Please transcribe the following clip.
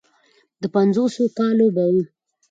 د پينځوسو کالو به و.